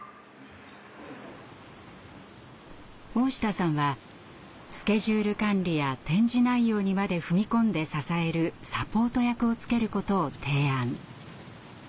大下さんはスケジュール管理や展示内容にまで踏み込んで支えるサポート役をつけることを提案。